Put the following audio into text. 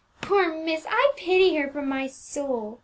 "Poor miss! I pity her from my soul!"